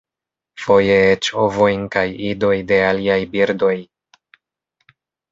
Foje eĉ ovojn kaj idoj de aliaj birdoj.